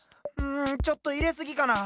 んちょっといれすぎかなあ。